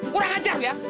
kurang ajar ya